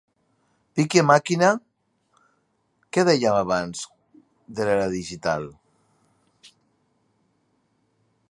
Piqui a màquina, que dèiem abans de l'era digital.